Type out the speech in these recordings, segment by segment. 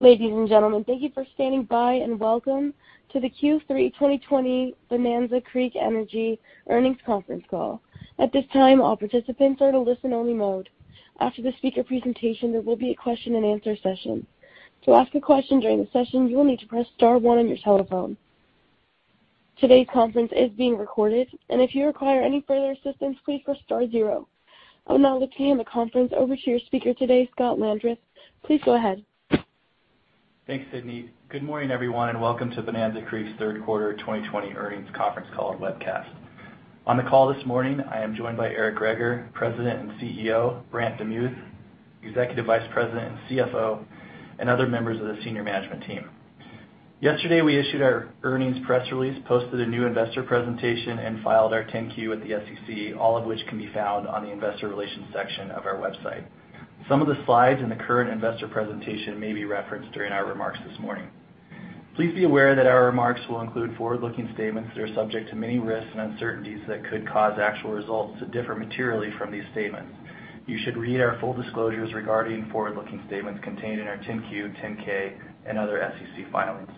Ladies and gentlemen, thank you for standing by, and welcome to the Q3 2020 Bonanza Creek Energy earnings conference call. At this time, all participants are in listen only mode. After the speaker presentation, there will be a question and answer session. To ask a question during the session, you will need to press star one on your telephone. Today's conference is being recorded, and if you require any further assistance, please press star zero. I will now turn the conference over to your speaker today, Scott Landreth. Please go ahead. Thanks, Sydney. Good morning, everyone, and welcome to Bonanza Creek's third quarter 2020 earnings conference call and webcast. On the call this morning, I am joined by Eric Greager, President and CEO, Brant DeMuth, Executive Vice President and CFO, and other members of the senior management team. Yesterday, we issued our earnings press release, posted a new investor presentation, and filed our 10-Q with the SEC, all of which can be found on the investor relations section of our website. Some of the slides in the current investor presentation may be referenced during our remarks this morning. Please be aware that our remarks will include forward-looking statements that are subject to many risks and uncertainties that could cause actual results to differ materially from these statements. You should read our full disclosures regarding forward-looking statements contained in our 10-Q, 10-K, and other SEC filings.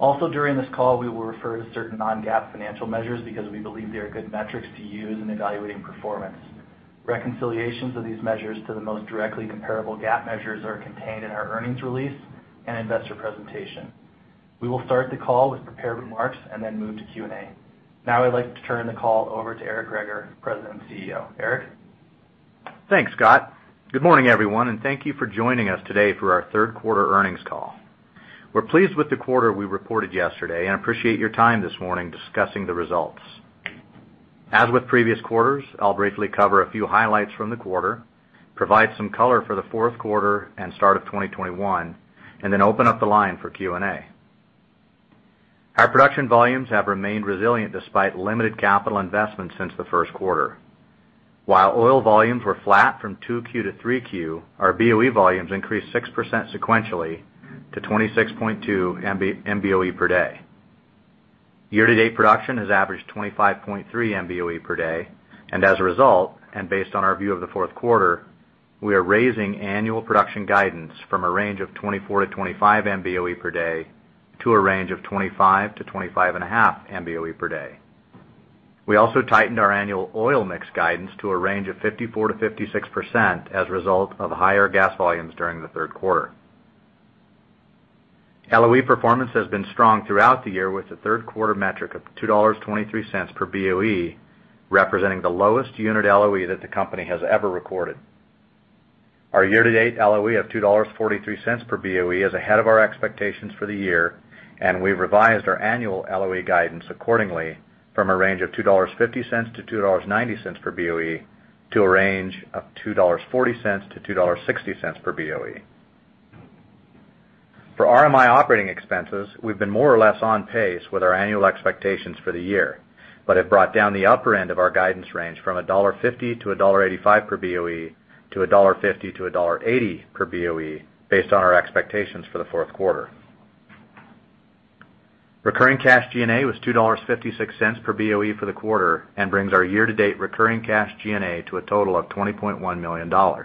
Also, during this call, we will refer to certain non-GAAP financial measures because we believe they are good metrics to use in evaluating performance. Reconciliations of these measures to the most directly comparable GAAP measures are contained in our earnings release and investor presentation. We will start the call with prepared remarks and then move to Q&A. Now I'd like to turn the call over to Eric Greager, President and CEO. Eric? Thanks, Scott. Good morning, everyone, and thank you for joining us today for our third quarter earnings call. We're pleased with the quarter we reported yesterday and appreciate your time this morning discussing the results. As with previous quarters, I'll briefly cover a few highlights from the quarter, provide some color for the fourth quarter and start of 2021, and then open up the line for Q&A. Our production volumes have remained resilient despite limited capital investments since the first quarter. While oil volumes were flat from 2Q to 3Q, our BOE volumes increased 6% sequentially to 26.2 MBOE per day. Year-to-date production has averaged 25.3 MBOE per day, and as a result, and based on our view of the fourth quarter, we are raising annual production guidance from a range of 24-25 MBOE per day to a range of 25-25.5 MBOE per day. We also tightened our annual oil mix guidance to a range of 54%-56% as a result of higher gas volumes during the third quarter. LOE performance has been strong throughout the year with the third quarter metric of $2.23 per BOE, representing the lowest unit LOE that the company has ever recorded. Our year-to-date LOE of $2.43 per BOE is ahead of our expectations for the year, and we revised our annual LOE guidance accordingly from a range of $2.50-$2.90 per BOE to a range of $2.40-$2.60 per BOE. For RMI operating expenses, we've been more or less on pace with our annual expectations for the year, but have brought down the upper end of our guidance range from $1.50-$1.85 per BOE to $1.50-$1.80 per BOE based on our expectations for the fourth quarter. Recurring cash G&A was $2.56 per BOE for the quarter and brings our year-to-date recurring cash G&A to a total of $20.1 million.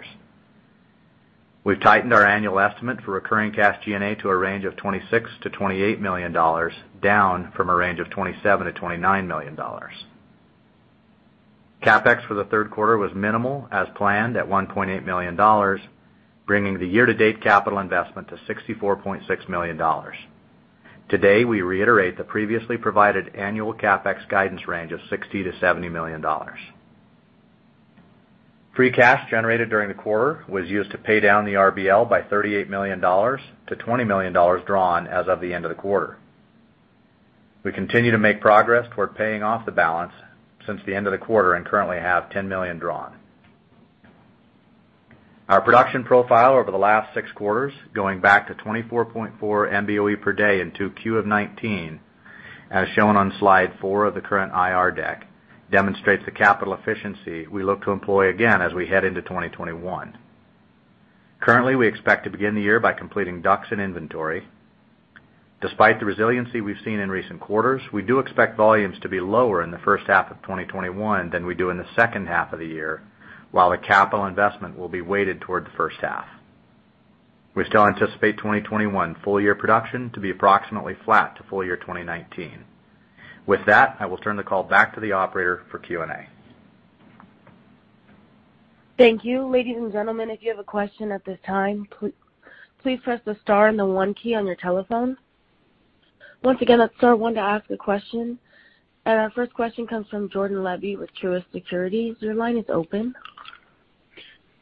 We've tightened our annual estimate for recurring cash G&A to a range of $26 million-$28 million, down from a range of $27 million-$29 million. CapEx for the third quarter was minimal as planned at $1.8 million, bringing the year-to-date capital investment to $64.6 million. Today, we reiterate the previously provided annual CapEx guidance range of $60 million-$70 million. Free cash generated during the quarter was used to pay down the RBL by $38 million to $20 million drawn as of the end of the quarter. We continue to make progress toward paying off the balance since the end of the quarter and currently have $10 million drawn. Our production profile over the last six quarters, going back to 24.4 MBOE per day in 2Q of 2019, as shown on slide four of the current IR deck, demonstrates the capital efficiency we look to employ again as we head into 2021. Currently, we expect to begin the year by completing DUCs and inventory. Despite the resiliency we've seen in recent quarters, we do expect volumes to be lower in the first half of 2021 than we do in the second half of the year, while the capital investment will be weighted toward the first half. We still anticipate 2021 full-year production to be approximately flat to full year 2019. With that, I will turn the call back to the operator for Q&A. Thank you. Ladies and gentlemen, if you have a question at this time, please press the star and the one key on your telephone. Once again, that's star one to ask a question. Our first question comes from Jordan Levy with Truist Securities. Your line is open.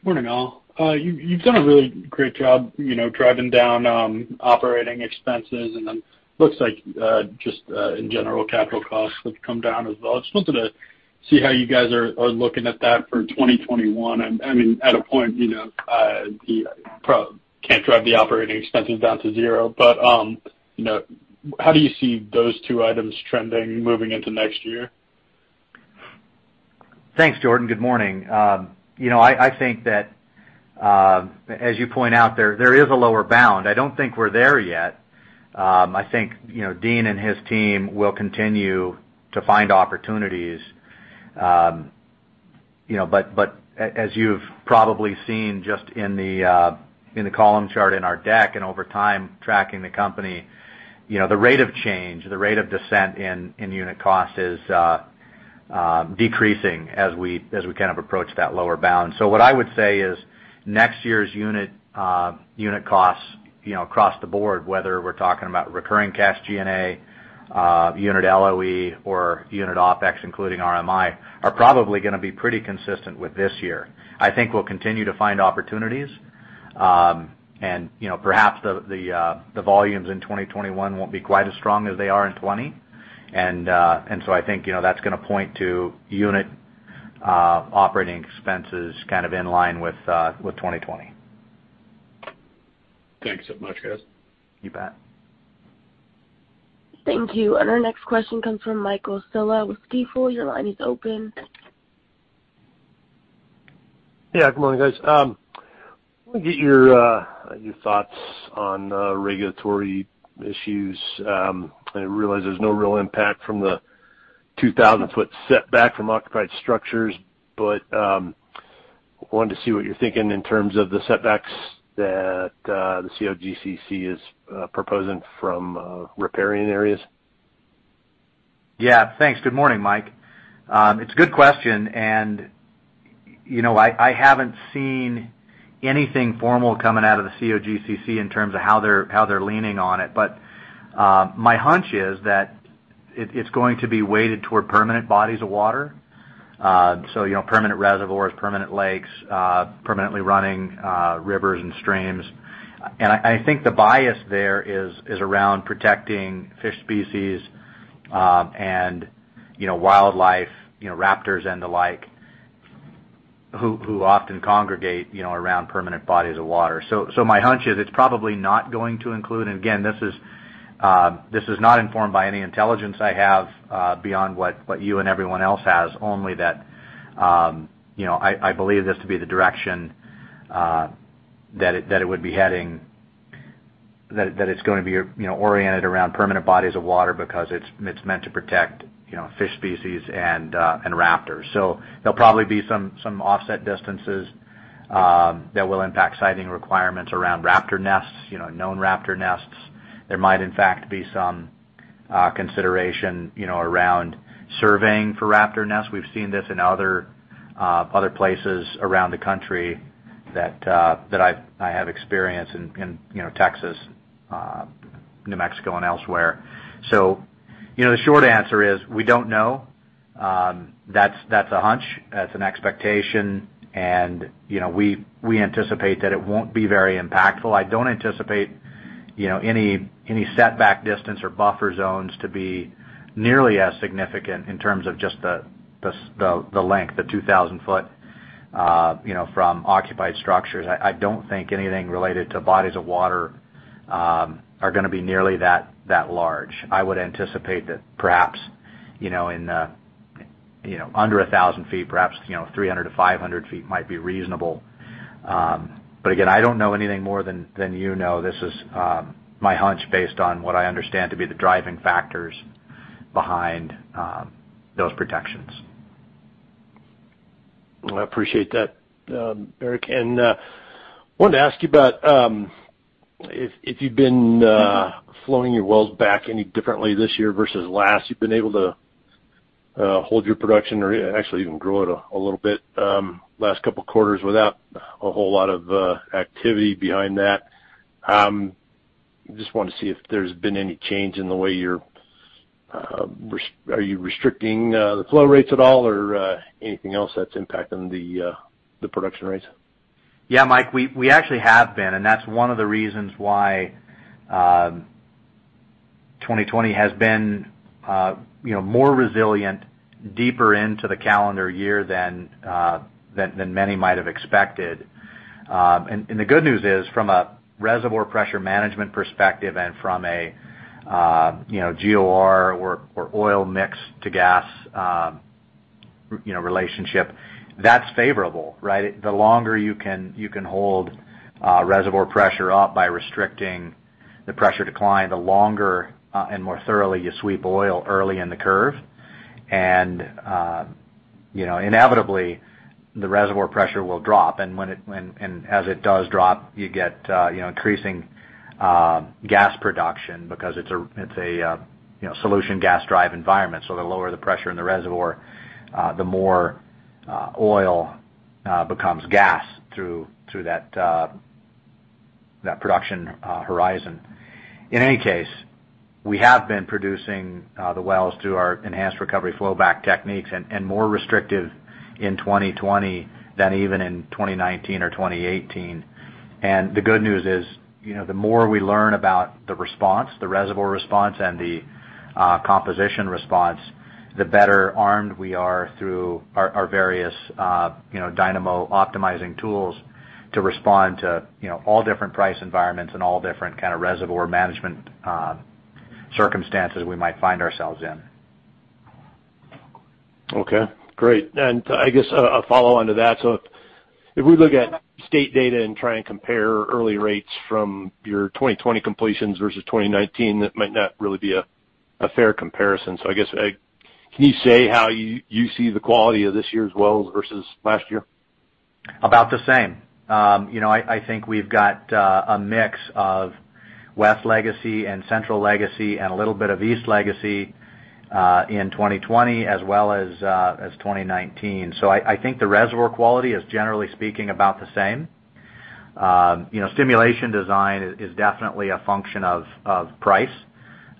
Morning, all. You've done a really great job driving down operating expenses, and then looks like, just in general, capital costs have come down as well. I just wanted to see how you guys are looking at that for 2021. At a point, you can't drive the operating expenses down to zero, but how do you see those two items trending moving into next year? Thanks, Jordan. Good morning. I think that, as you point out, there is a lower bound. I don't think we're there yet. I think Dean and his team will continue to find opportunities. As you've probably seen just in the column chart in our deck, and over time tracking the company, the rate of change, the rate of descent in unit cost is decreasing as we kind of approach that lower bound. What I would say is next year's unit costs across the board, whether we're talking about recurring cash G&A, unit LOE, or unit OpEx, including RMI, are probably going to be pretty consistent with this year. I think we'll continue to find opportunities. Perhaps the volumes in 2021 won't be quite as strong as they are in 2020. I think that's going to point to unit operating expenses kind of in line with 2020. Thanks so much, guys. You bet. Thank you. Our next question comes from Michael Scialla with Stifel. Your line is open. Yeah. Good morning, guys. Let me get your thoughts on regulatory issues. I realize there's no real impact from the 2,000-foot setback from occupied structures, but wanted to see what you're thinking in terms of the setbacks that the COGCC is proposing from riparian areas. Yeah. Thanks. Good morning, Mike. It's a good question. I haven't seen anything formal coming out of the COGCC in terms of how they're leaning on it. My hunch is that it's going to be weighted toward permanent bodies of water. Permanent reservoirs, permanent lakes, permanently running rivers and streams. I think the bias there is around protecting fish species and wildlife, raptors and the like, who often congregate around permanent bodies of water. My hunch is it's probably not going to include, again, this is not informed by any intelligence I have beyond what you and everyone else has, only that I believe this to be the direction that it would be heading. That it's going to be oriented around permanent bodies of water because it's meant to protect fish species and raptors. There'll probably be some offset distances that will impact siting requirements around raptor nests, known raptor nests. There might, in fact, be some consideration around surveying for raptor nests. We've seen this in other places around the country that I have experience in Texas, New Mexico, and elsewhere. The short answer is we don't know. That's a hunch. That's an expectation. We anticipate that it won't be very impactful. I don't anticipate any setback distance or buffer zones to be nearly as significant in terms of just the length, the 2,000 foot from occupied structures. I don't think anything related to bodies of water are going to be nearly that large. I would anticipate that perhaps in under 1,000 feet, perhaps 300-500 feet might be reasonable. Again, I don't know anything more than you know. This is my hunch based on what I understand to be the driving factors behind those protections. I appreciate that, Eric. Wanted to ask you about if you've been flowing your wells back any differently this year versus last. You've been able to hold your production or actually even grow it a little bit last couple of quarters without a whole lot of activity behind that. Just wanted to see if there's been any change in the way, are you restricting the flow rates at all or anything else that's impacting the production rates? Yeah, Mike, that's one of the reasons why 2020 has been more resilient deeper into the calendar year than many might have expected. The good news is, from a reservoir pressure management perspective and from a GOR or oil mix to gas relationship, that's favorable, right? The longer you can hold reservoir pressure up by restricting the pressure decline, the longer and more thoroughly you sweep oil early in the curve. Inevitably, the reservoir pressure will drop. As it does drop, you get increasing gas production because it's a solution gas drive environment. The lower the pressure in the reservoir, the more oil becomes gas through that production horizon. In any case, we have been producing the wells through our enhanced recovery flow back techniques and more restrictive in 2020 than even in 2019 or 2018. The good news is the more we learn about the response, the reservoir response, and the composition response, the better armed we are through our various Dynamo optimizing tools to respond to all different price environments and all different kind of reservoir management circumstances we might find ourselves in. Okay, great. I guess a follow-on to that, If we look at state data and try and compare early rates from your 2020 completions versus 2019, that might not really be a fair comparison. I guess, can you say how you see the quality of this year's wells versus last year? About the same. I think we've got a mix of West Legacy and Central Legacy and a little bit of East Legacy, in 2020 as well as 2019. I think the reservoir quality is, generally speaking, about the same. Stimulation design is definitely a function of price.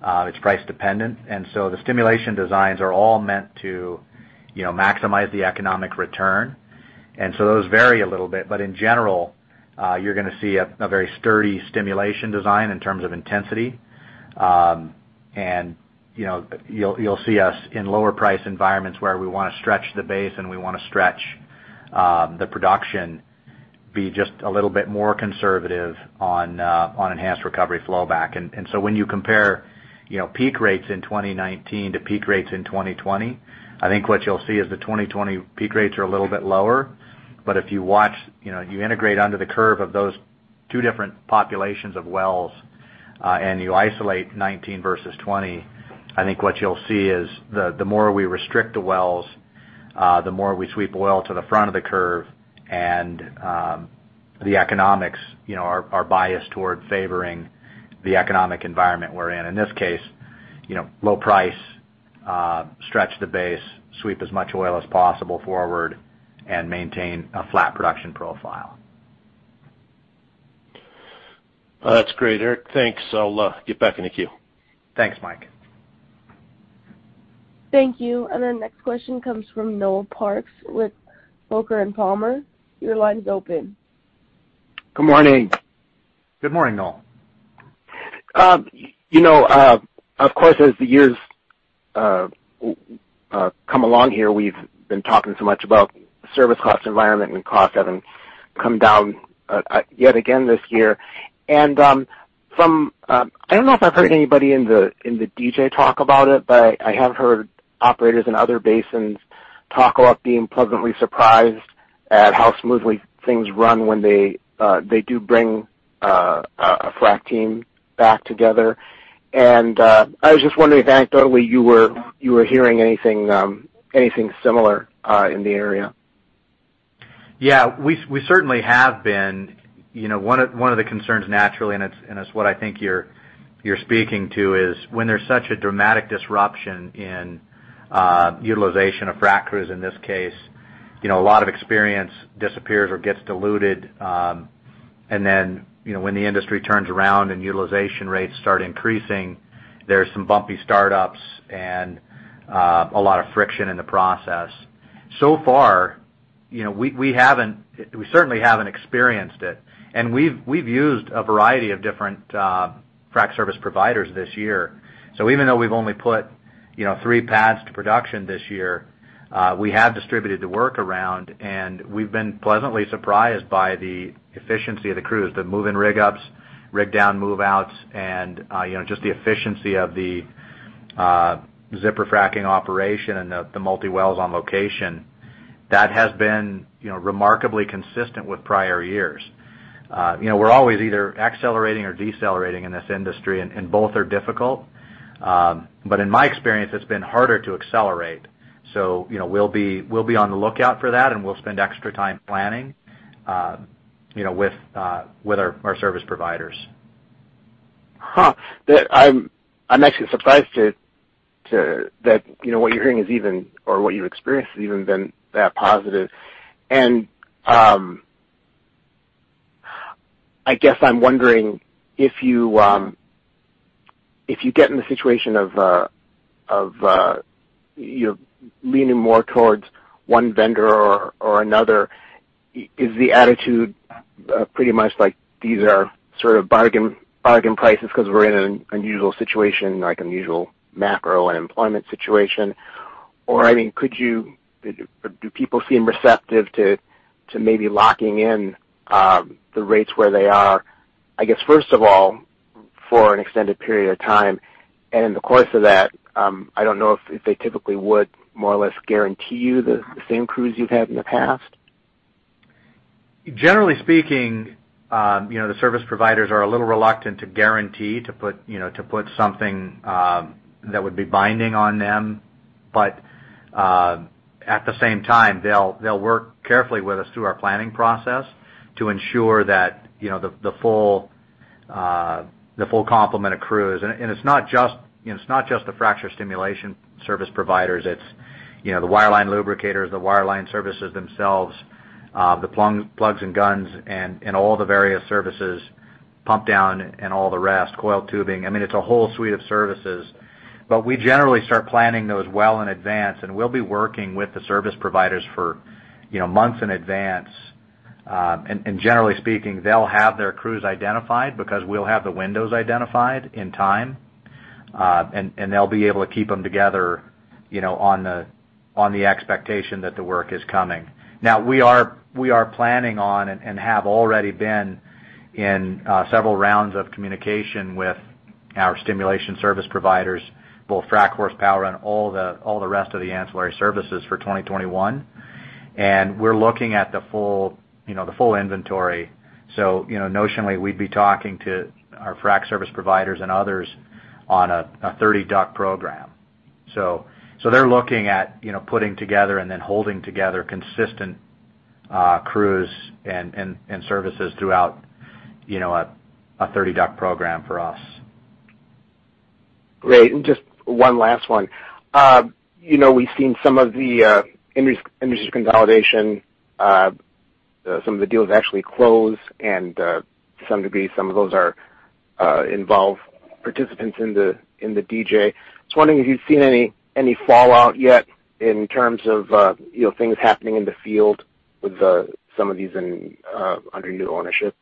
It's price dependent. The stimulation designs are all meant to maximize the economic return. Those vary a little bit, but in general, you're going to see a very sturdy stimulation design in terms of intensity. You'll see us in lower price environments where we want to stretch the base and we want to stretch the production, be just a little bit more conservative on enhanced recovery flow back. When you compare peak rates in 2019 to peak rates in 2020, I think what you'll see is the 2020 peak rates are a little bit lower. If you integrate under the curve of those two different populations of wells, and you isolate 2019 versus 2020, I think what you'll see is the more we restrict the wells, the more we sweep oil to the front of the curve. The economics are biased toward favoring the economic environment we're in. In this case, low price, stretch the base, sweep as much oil as possible forward, and maintain a flat production profile. That's great, Eric. Thanks. I'll get back in the queue. Thanks, Mike. Thank you. Our next question comes from Noel Parks with Coker & Palmer. Your line is open. Good morning. Good morning, Noel. Of course, as the years come along here, we've been talking so much about service cost environment, and costs having come down yet again this year. I don't know if I've heard anybody in the DJ talk about it, but I have heard operators in other basins talk about being pleasantly surprised at how smoothly things run when they do bring a frack team back together. I was just wondering if anecdotally you were hearing anything similar in the area. Yeah, we certainly have been. One of the concerns naturally, and it's what I think you're speaking to, is when there's such a dramatic disruption in utilization of frac crews, in this case, a lot of experience disappears or gets diluted. When the industry turns around and utilization rates start increasing, there's some bumpy startups and a lot of friction in the process. So far, we certainly haven't experienced it, and we've used a variety of different frac service providers this year. Even though we've only put three pads to production this year, we have distributed the work around, and we've been pleasantly surprised by the efficiency of the crews, the move-in rig ups, rig down move outs, and just the efficiency of the zipper fracking operation and the multi wells on location. That has been remarkably consistent with prior years. We're always either accelerating or decelerating in this industry, and both are difficult. In my experience, it's been harder to accelerate. We'll be on the lookout for that, and we'll spend extra time planning with our service providers. Huh. I'm actually surprised that what you're hearing is even, or what you've experienced has even been that positive. I guess I'm wondering if you get in the situation of leaning more towards one vendor or another, is the attitude pretty much like these are sort of bargain prices because we're in an unusual situation, like unusual macro and employment situation? Do people seem receptive to maybe locking in the rates where they are, I guess, first of all, for an extended period of time? In the course of that, I don't know if they typically would more or less guarantee you the same crews you've had in the past. Generally speaking, the service providers are a little reluctant to guarantee to put something that would be binding on them. At the same time, they'll work carefully with us through our planning process to ensure that the full complement of crews. It's not just the fracture stimulation service providers, it's the wireline lubricators, the wireline services themselves, the plugs and guns and all the various services, pump down and all the rest, coil tubing. It's a whole suite of services. We generally start planning those well in advance, and we'll be working with the service providers for months in advance. Generally speaking, they'll have their crews identified because we'll have the windows identified in time. They'll be able to keep them together on the expectation that the work is coming. We are planning on, and have already been in several rounds of communication with our stimulation service providers, both frac horsepower and all the rest of the ancillary services for 2021. We're looking at the full inventory. Notionally, we'd be talking to our frac service providers and others on a 30 DUCs program. They're looking at putting together and then holding together consistent crews and services throughout a 30 DUCs program for us. Great. Just one last one. We've seen some of the industry consolidation, some of the deals actually close and some of those involve participants in the DJ. I was wondering if you've seen any fallout yet in terms of things happening in the field with some of these under new ownership.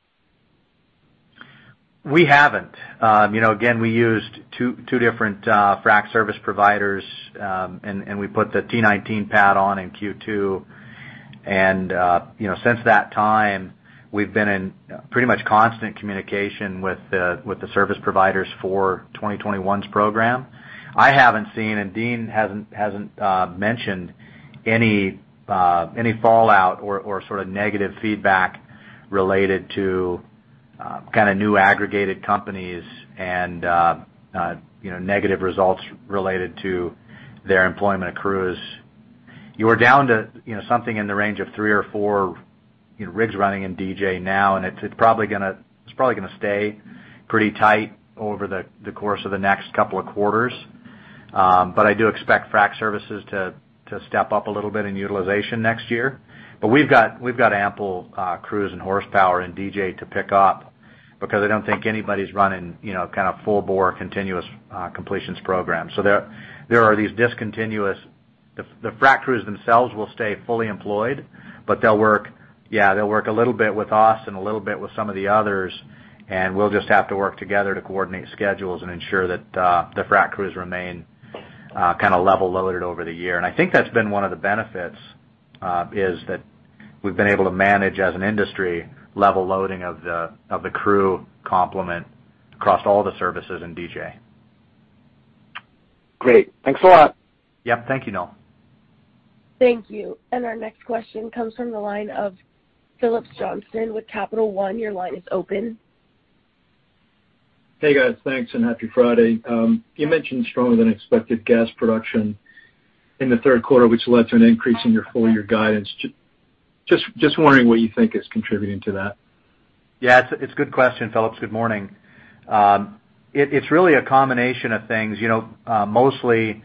We haven't. Again, we used two different frac service providers, we put the T19 pad on in Q2. Since that time, we've been in pretty much constant communication with the service providers for 2021's program. I haven't seen, and Dean hasn't mentioned any fallout or sort of negative feedback related to new aggregated companies and negative results related to their employment crews. You are down to something in the range of three or four rigs running in DJ now, and it's probably going to stay pretty tight over the course of the next couple of quarters. I do expect frac services to step up a little bit in utilization next year. We've got ample crews and horsepower in DJ to pick up, because I don't think anybody's running full bore continuous completions program. The frac crews themselves will stay fully employed, but they'll work a little bit with us and a little bit with some of the others, and we'll just have to work together to coordinate schedules and ensure that the frac crews remain level loaded over the year. I think that's been one of the benefits, is that we've been able to manage as an industry level loading of the crew complement across all the services in DJ. Great. Thanks a lot. Yep. Thank you, Noel. Thank you. Our next question comes from the line of Phillips Johnston with Capital One. Your line is open. Hey, guys. Thanks. Happy Friday. You mentioned stronger than expected gas production in the third quarter, which led to an increase in your full year guidance. Just wondering what you think is contributing to that. Yeah, it's a good question, Phillips. Good morning. It's really a combination of things. Mostly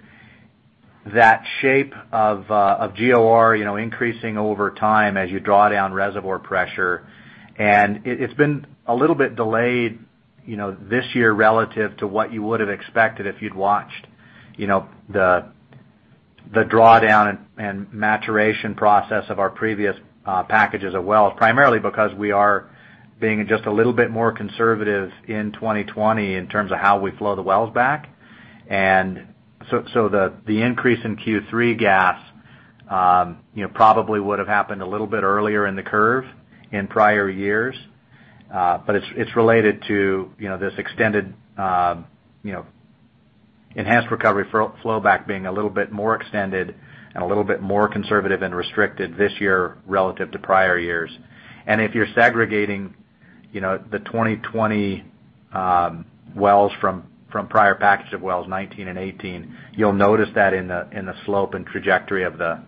that shape of GOR increasing over time as you draw down reservoir pressure. It's been a little bit delayed this year relative to what you would've expected if you'd watched the drawdown and maturation process of our previous packages of wells, primarily because we are being just a little bit more conservative in 2020 in terms of how we flow the wells back. The increase in Q3 gas probably would've happened a little bit earlier in the curve in prior years. It's related to this extended enhanced recovery flow back being a little bit more extended and a little bit more conservative and restricted this year relative to prior years. If you're segregating the 2020 wells from prior package of wells, 2019 and 2018, you'll notice that in the slope and trajectory of the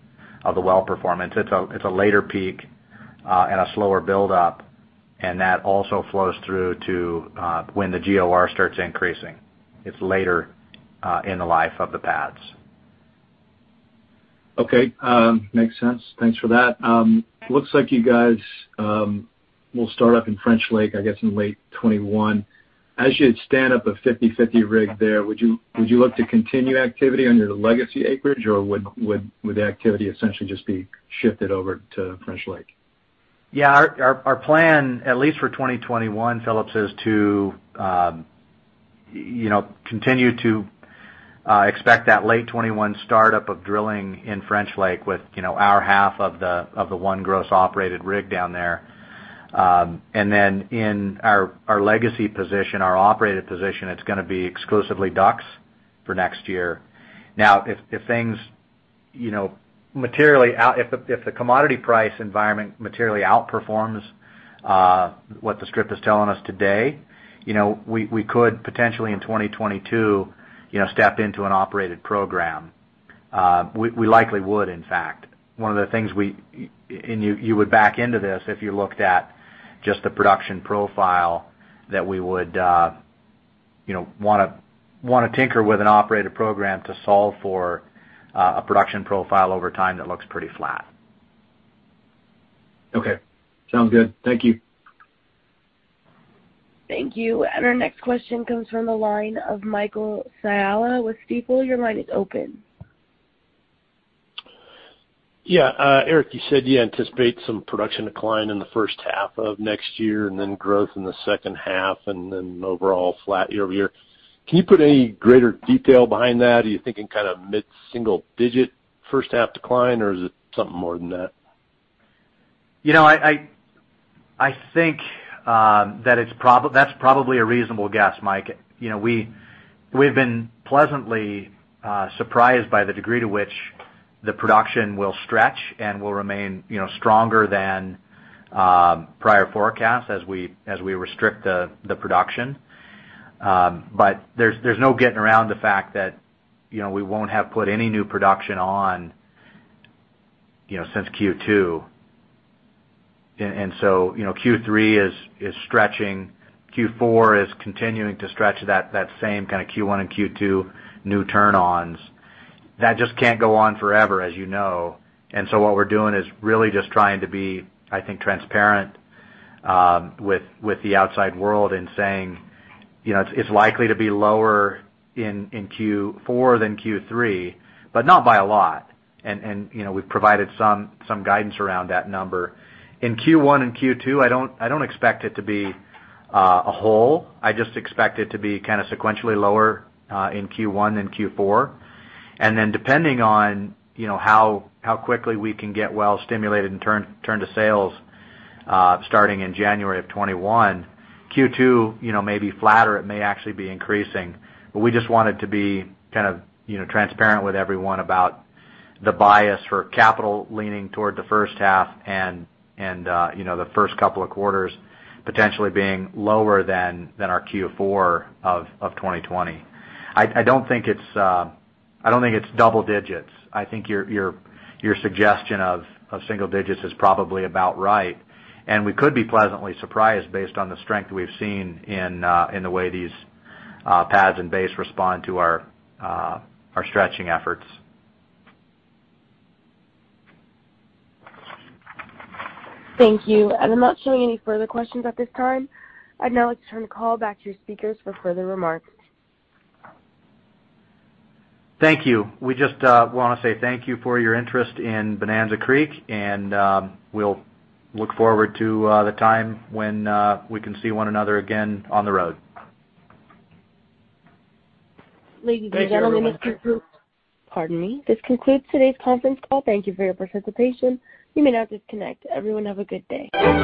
well performance. It's a later peak and a slower buildup, and that also flows through to when the GOR starts increasing. It's later in the life of the pads. Okay. Makes sense. Thanks for that. Looks like you guys will start up in French Lake, I guess, in late 2021. As you stand up a 50/50 rig there, would you look to continue activity under the legacy acreage, or would the activity essentially just be shifted over to French Lake? Yeah. Our plan, at least for 2021, Phillips, is to continue to expect that late 2021 startup of drilling in French Lake with our half of the one gross operated rig down there. Then in our legacy position, our operated position, it's going to be exclusively DUCs for next year. Now, if the commodity price environment materially outperforms what the strip is telling us today, we could potentially, in 2022, step into an operated program. We likely would, in fact. One of the things you would back into this if you looked at just the production profile that we would want to tinker with an operated program to solve for a production profile over time that looks pretty flat. Okay. Sounds good. Thank you. Thank you. Our next question comes from the line of Michael Scialla with Stifel. Your line is open. Yeah. Eric, you said you anticipate some production decline in the first half of next year, and then growth in the second half, and then overall flat year-over-year. Can you put any greater detail behind that? Are you thinking mid-single digit first half decline, or is it something more than that? I think that's probably a reasonable guess, Mike. We've been pleasantly surprised by the degree to which the production will stretch and will remain stronger than prior forecasts as we restrict the production. There's no getting around the fact that we won't have put any new production on since Q2. Q3 is stretching. Q4 is continuing to stretch that same kind of Q1 and Q2 new turn-ons. That just can't go on forever, as you know. What we're doing is really just trying to be, I think, transparent with the outside world in saying it's likely to be lower in Q4 than Q3, but not by a lot. We've provided some guidance around that number. In Q1 and Q2, I don't expect it to be a hole. I just expect it to be kind of sequentially lower in Q1 than Q4. Depending on how quickly we can get well-stimulated and turn to sales starting in January of 2021, Q2 may be flatter. It may actually be increasing. We just wanted to be transparent with everyone about the bias for capital leaning toward the first half and the first couple of quarters potentially being lower than our Q4 of 2020. I don't think it's double digits. I think your suggestion of single digits is probably about right. We could be pleasantly surprised based on the strength we've seen in the way these pads and base respond to our stretching efforts. Thank you. I'm not showing any further questions at this time. I'd now like to turn the call back to your speakers for further remarks. Thank you. We just want to say thank you for your interest in Bonanza Creek, and we'll look forward to the time when we can see one another again on the road. Ladies and gentlemen. Thank you everyone. Pardon me. This concludes today's conference call. Thank you for your participation. You may now disconnect. Everyone have a good day.